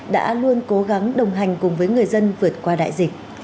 đã luôn cố gắng đồng hành cùng với người dân vượt qua đại dịch